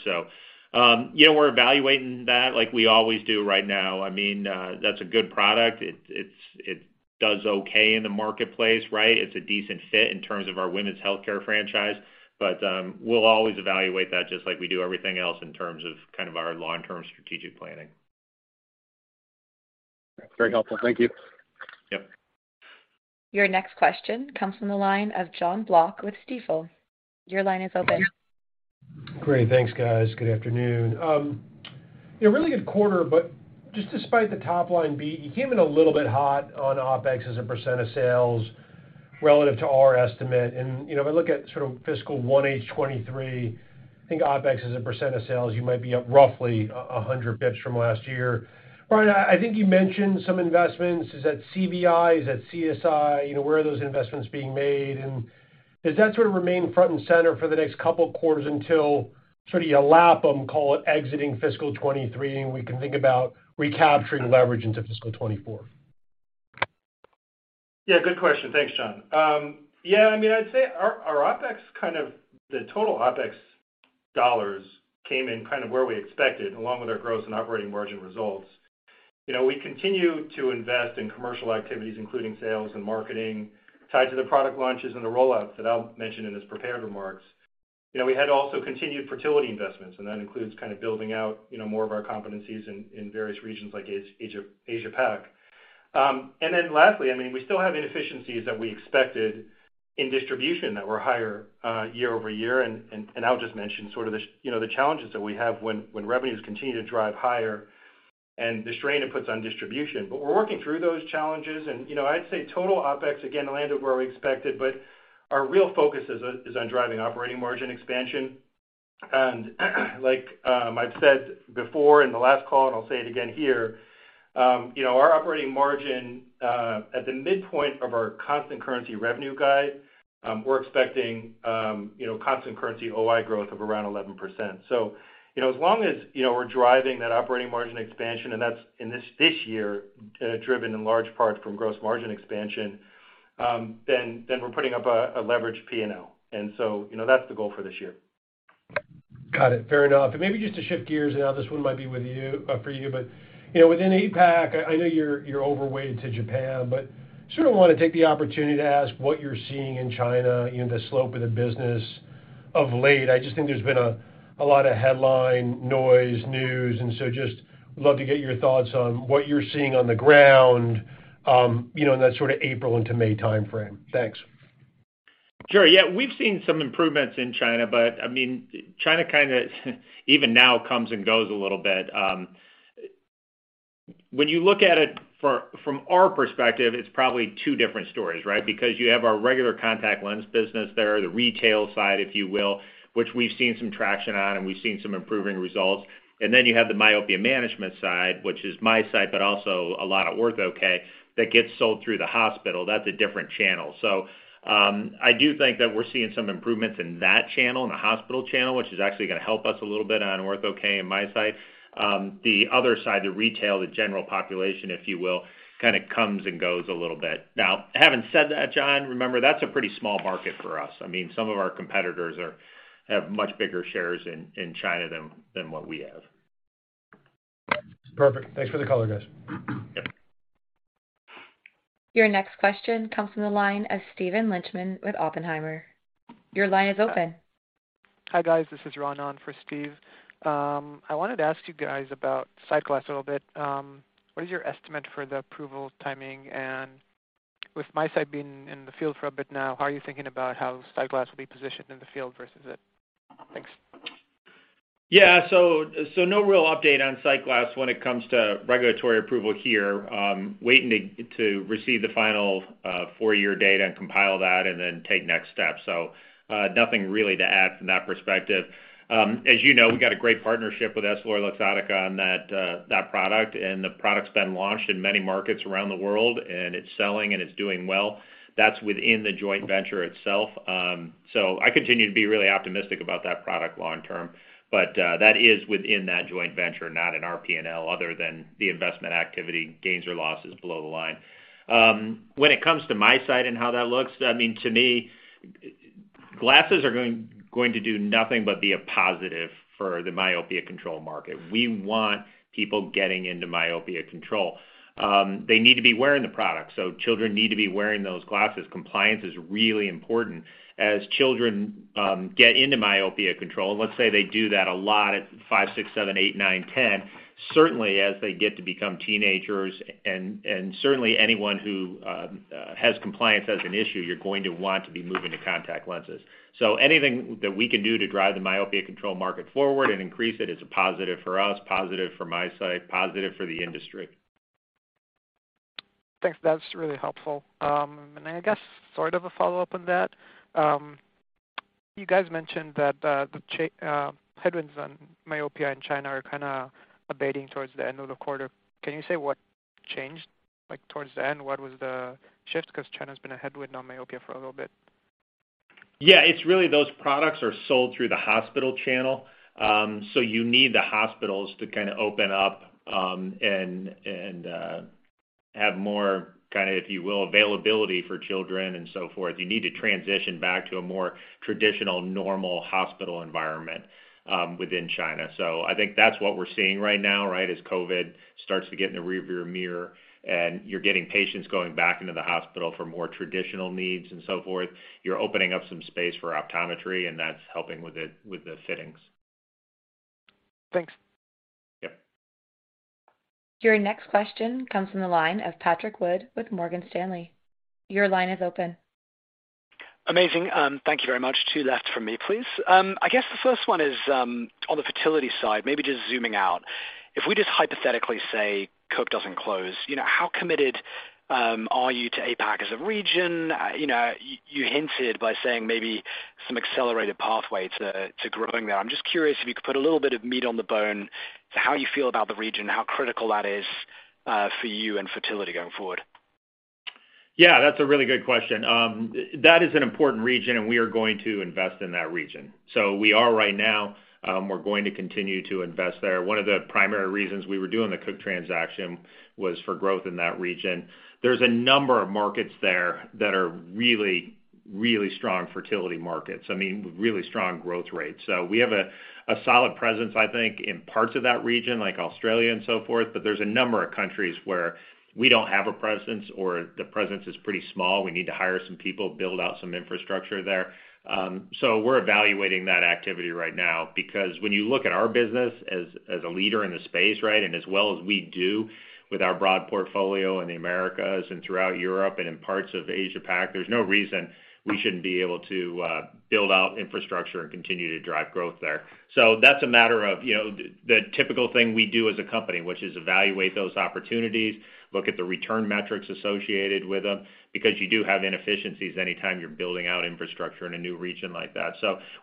You know, we're evaluating that like we always do right now. I mean, that's a good product. It does okay in the marketplace, right? It's a decent fit in terms of our women's healthcare franchise, but we'll always evaluate that just like we do everything else in terms of kind of our long-term strategic planning. Very helpful. Thank you. Yep. Your next question comes from the line of Jonathan Block with Stifel. Your line is open. Great. Thanks, guys. Good afternoon. A really good quarter, just despite the top line beat, you came in a little bit hot on OpEx as a percent of sales relative to our estimate. You know, if I look at sort of fiscal 1H 2023, I think OpEx as a percent of sales, you might be up roughly 100 basis points from last year. Brian, I think you mentioned some investments. Is that CVI? Is that CSI? You know, where are those investments being made, and does that sort of remain front and center for the next couple of quarters until sort of you lap them, call it, exiting fiscal 2023, and we can think about recapturing leverage into fiscal 2024? Good question. Thanks, Jon. I mean, I'd say the total OpEx dollars came in kind of where we expected, along with our gross and operating margin results. You know, we continue to invest in commercial activities, including sales and marketing, tied to the product launches and the rollouts that Al mentioned in his prepared remarks. You know, we had also continued fertility investments, and that includes kind of building out, you know, more of our competencies in various regions like Asia-Pac. Lastly, I mean, we still have inefficiencies that we expected in distribution that were higher year-over-year. Al just mentioned sort of the, you know, the challenges that we have when revenues continue to drive higher and the strain it puts on distribution. We're working through those challenges, and, you know, I'd say total OpEx, again, landed where we expected, but our real focus is on driving operating margin expansion. Like, I've said before in the last call, and I'll say it again here, you know, our operating margin at the midpoint of our constant currency revenue guide, we're expecting, you know, constant currency OI growth of around 11%. You know, as long as, you know, we're driving that operating margin expansion, and that's in this year, driven in large part from gross margin expansion, then we're putting up a leverage P&L. You know, that's the goal for this year.... Got it. Fair enough. Maybe just to shift gears, and now this one might be with you, for you, but, you know, within APAC, I know you're overweight to Japan, but sort of wanna take the opportunity to ask what you're seeing in China, you know, the slope of the business of late. I just think there's been a lot of headline, noise, news, and so just would love to get your thoughts on what you're seeing on the ground, you know, in that sort of April into May timeframe. Thanks. Sure. We've seen some improvements in China, I mean, China kind of even now, comes and goes a little bit. When you look at it from our perspective, it's probably two different stories, right? You have our regular contact lens business there, the retail side, if you will, which we've seen some traction on, and we've seen some improving results. You have the myopia management side, which is MiSight, also a lot of Ortho-K that gets sold through the hospital. That's a different channel. I do think that we're seeing some improvements in that channel, in the hospital channel, which is actually gonna help us a little bit on Ortho-K and MiSight. The other side, the retail, the general population, if you will, kind of comes and goes a little bit. Having said that, Jon, remember, that's a pretty small market for us. I mean, some of our competitors have much bigger shares in China than what we have. Perfect. Thanks for the color, guys. Yep. Your next question comes from the line of Steven Lichtman with Oppenheimer. Your line is open. Hi, guys. This is Ron on for Steve. I wanted to ask you guys about SightGlass a little bit. What is your estimate for the approval timing? With MiSight being in the field for a bit now, how are you thinking about how SightGlass will be positioned in the field versus it? Thanks. No real update on SightGlass when it comes to regulatory approval here. Waiting to receive the final four-year data and compile that, and then take next steps. Nothing really to add from that perspective. As you know, we've got a great partnership with EssilorLuxottica on that product, and the product's been launched in many markets around the world, and it's selling, and it's doing well. That's within the joint venture itself. I continue to be really optimistic about that product long term, but that is within that joint venture, not in our P&L, other than the investment activity, gains or losses below the line. When it comes to MiSight and how that looks, I mean, to me, glasses are going to do nothing but be a positive for the myopia control market. We want people getting into myopia control. They need to be wearing the product, so children need to be wearing those glasses. Compliance is really important. As children get into myopia control, let's say they do that a lot at five, six, seven, eight, nine, 10, certainly as they get to become teenagers and certainly anyone who has compliance as an issue, you're going to want to be moving to contact lenses. Anything that we can do to drive the myopia control market forward and increase it is a positive for us, positive for MiSight, positive for the industry. Thanks. That's really helpful. I guess sort of a follow-up on that. You guys mentioned that the headwinds on myopia in China are kind of abating towards the end of the quarter. Can you say what changed? Like, towards the end, what was the shift? Because China's been a headwind on myopia for a little bit. Yeah, it's really those products are sold through the hospital channel. You need the hospitals to kind of open up, and have more kind of, if you will, availability for children and so forth. You need to transition back to a more traditional, normal hospital environment, within China. I think that's what we're seeing right now, right? As COVID starts to get in the rear view mirror, and you're getting patients going back into the hospital for more traditional needs and so forth, you're opening up some space for optometry, and that's helping with the fittings. Thanks. Yep. Your next question comes from the line of Patrick Wood with Morgan Stanley. Your line is open. Amazing. Thank you very much. Two left for me, please. I guess the first one is on the fertility side, maybe just zooming out. If we just hypothetically say, Cook doesn't close, you know, how committed are you to APAC as a region? You know, you hinted by saying maybe some accelerated pathway to growing there. I'm just curious if you could put a little bit of meat on the bone to how you feel about the region, how critical that is for you and fertility going forward. That's a really good question. That is an important region. We are going to invest in that region. We are right now, we're going to continue to invest there. One of the primary reasons we were doing the Cook transaction was for growth in that region. There's a number of markets there that are really, really strong fertility markets. I mean, really strong growth rates. We have a solid presence, I think, in parts of that region, like Australia and so forth. There's a number of countries where we don't have a presence or the presence is pretty small. We need to hire some people, build out some infrastructure there. We're evaluating that activity right now, because when you look at our business as a leader in the space, right, and as well as we do with our broad portfolio in the Americas and throughout Europe and in parts of Asia-Pac, there's no reason we shouldn't be able to build out infrastructure and continue to drive growth there. That's a matter of, you know, the typical thing we do as a company, which is evaluate those opportunities, look at the return metrics associated with them, because you do have inefficiencies anytime you're building out infrastructure in a new region like that.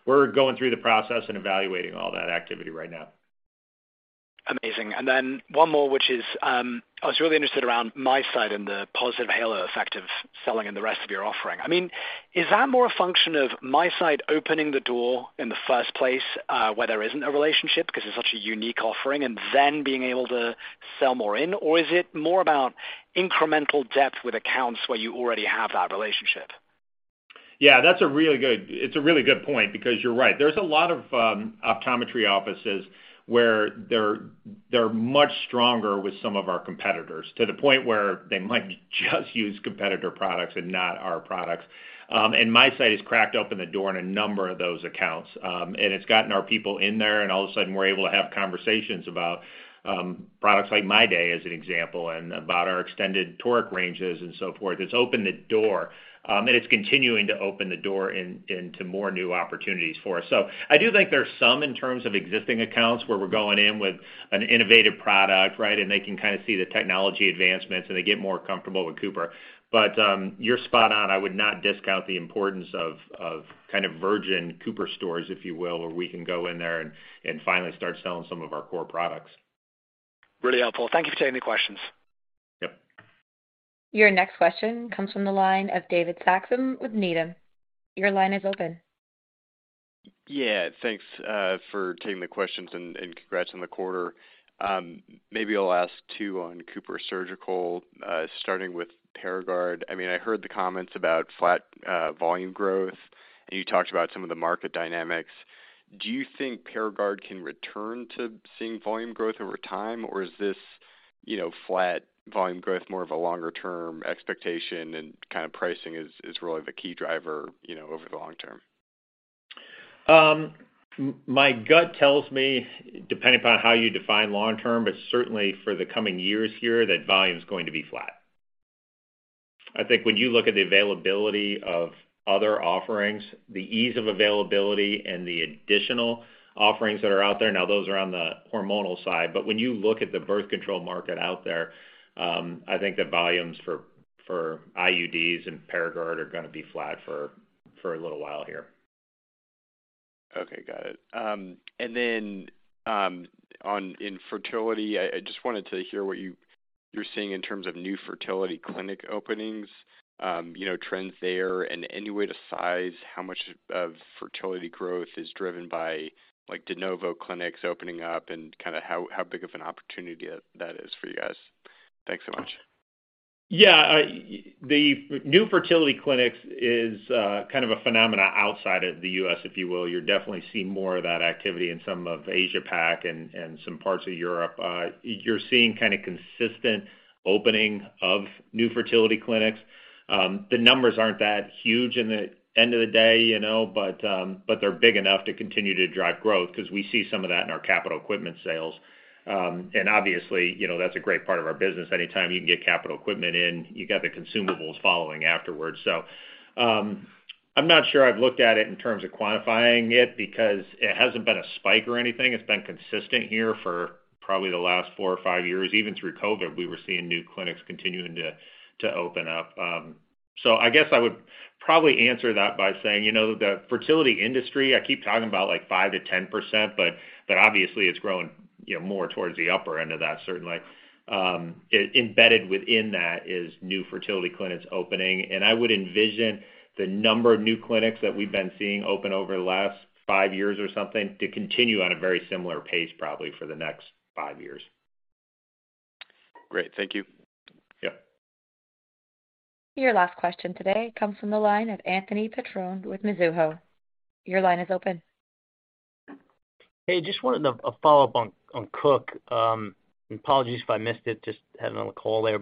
We're going through the process and evaluating all that activity right now. Amazing. Then one more, which is, I was really interested around MiSight and the positive halo effect of selling in the rest of your offering. I mean, is that more a function of MiSight opening the door in the first place, where there isn't a relationship because it's such a unique offering and then being able to sell more in? Or is it more about incremental depth with accounts where you already have that relationship? That's a really good point, because you're right. There's a lot of optometry offices where they're much stronger with some of our competitors, to the point where they might just use competitor products and not our products. MiSight has cracked open the door in a number of those accounts. It's gotten our people in there, and all of a sudden, we're able to have conversations about products like MyDay, as an example, and about our extended toric ranges and so forth. It's opened the door, and it's continuing to open the door into more new opportunities for us. I do think there are some, in terms of existing accounts, where we're going in with an innovative product, right? They can kind of see the technology advancements, and they get more comfortable with Cooper. you're spot on. I would not discount the importance of kind of virgin Cooper stores, if you will, where we can go in there and finally start selling some of our core products. Really helpful. Thank you for taking the questions. Yep. Your next question comes from the line of David Saxon with Needham. Your line is open. Thanks for taking the questions, and congrats on the quarter. Maybe I'll ask, too, on CooperSurgical, starting with Paragard. I mean, I heard the comments about flat volume growth, and you talked about some of the market dynamics. Do you think Paragard can return to seeing volume growth over time, or is this, you know, flat volume growth more of a longer-term expectation and kind of pricing is really the key driver, you know, over the long term? My gut tells me, depending upon how you define long term, but certainly for the coming years here, that volume is going to be flat. I think when you look at the availability of other offerings, the ease of availability and the additional offerings that are out there, now, those are on the hormonal side, but when you look at the birth control market out there, I think the volumes for IUDs and Paragard are gonna be flat for a little while here. Okay, got it. Then on in fertility, I just wanted to hear what you're seeing in terms of new fertility clinic openings, you know, trends there, and any way to size how much of fertility growth is driven by, like, de novo clinics opening up and kind of how big of an opportunity that is for you guys. Thanks so much. Yeah, the new fertility clinics is kind of a phenomena outside of the U.S., if you will. You're definitely seeing more of that activity in some of the Asia-Pac and some parts of Europe. You're seeing kind of consistent opening of new fertility clinics. The numbers aren't that huge in the end of the day, you know, but they're big enough to continue to drive growth because we see some of that in our capital equipment sales. Obviously, you know, that's a great part of our business. Anytime you can get capital equipment in, you got the consumables following afterwards. I'm not sure I've looked at it in terms of quantifying it because it hasn't been a spike or anything. It's been consistent here for probably the last four or five years. Even through COVID, we were seeing new clinics continuing to open up. I guess I would probably answer that by saying, you know, the fertility industry, I keep talking about, like, 5%-10%, but obviously, it's grown, you know, more towards the upper end of that, certainly. Embedded within that is new fertility clinics opening, and I would envision the number of new clinics that we've been seeing open over the last five years or something, to continue on a very similar pace, probably for the next five years. Great. Thank you. Yep. Your last question today comes from the line of Anthony Petrone with Mizuho. Your line is open. Hey, just wanted a follow-up on Cook. Apologies if I missed it, just had another call there.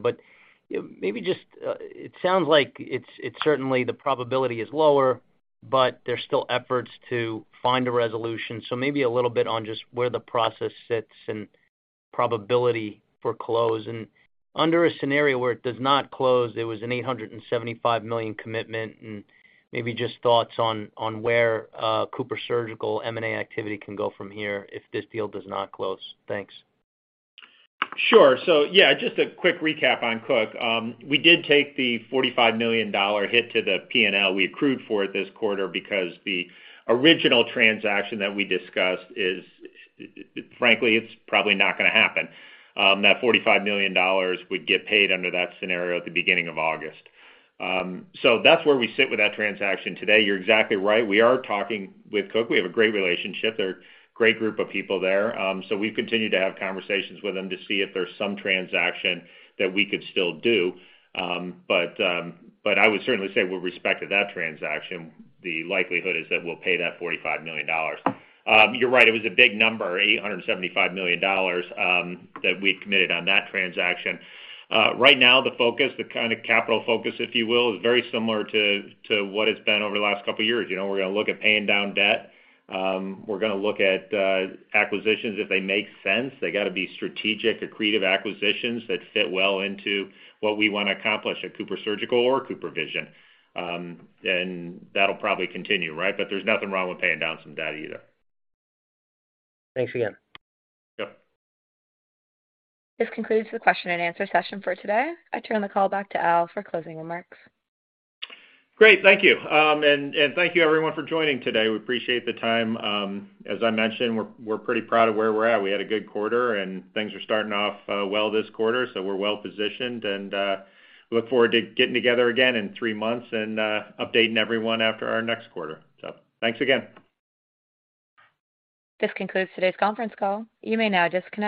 Yeah, maybe just. It sounds like it's certainly the probability is lower, but there's still efforts to find a resolution. Maybe a little bit on just where the process sits and probability for close. Under a scenario where it does not close, there was an $875 million commitment, and maybe just thoughts on where CooperSurgical M&A activity can go from here if this deal does not close. Thanks. Sure. Yeah, just a quick recap on Cook. We did take the $45 million hit to the P&L. We accrued for it this quarter because the original transaction that we discussed is, frankly, it's probably not gonna happen. That $45 million would get paid under that scenario at the beginning of August. That's where we sit with that transaction today. You're exactly right. We are talking with Cook. We have a great relationship. They're a great group of people there. We've continued to have conversations with them to see if there's some transaction that we could still do. I would certainly say with respect to that transaction, the likelihood is that we'll pay that $45 million. You're right, it was a big number, $875 million that we had committed on that transaction. Right now, the focus, the kind of capital focus, if you will, is very similar to what it's been over the last couple of years. You know, we're gonna look at paying down debt. We're gonna look at acquisitions, if they make sense. They got to be strategic, accretive acquisitions that fit well into what we want to accomplish at CooperSurgical or CooperVision. That'll probably continue, right? There's nothing wrong with paying down some debt either. Thanks again. Yep. This concludes the question and answer session for today. I turn the call back to Al for closing remarks. Great. Thank you. Thank you everyone for joining today. We appreciate the time. As I mentioned, we're pretty proud of where we're at. We had a good quarter, and things are starting off, well this quarter, so we're well-positioned, and, look forward to getting together again in three months and, updating everyone after our next quarter. Thanks again. This concludes today's conference call. You may now disconnect.